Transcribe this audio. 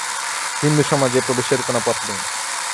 হিন্দুসমাজে প্রবেশের কোনো পথ নেই।